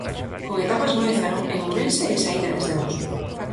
Con etapas no Ézaro, en Ourense e saída desde Mos.